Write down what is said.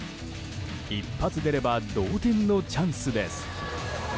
一発出れば同点のチャンスです。